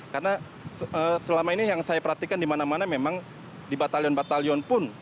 karena selama ini yang saya perhatikan dimana mana memang di batalion batalion pun